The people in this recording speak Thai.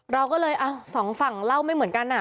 เราก็เลยสองฝั่งเล่าไม่เหมือนกัน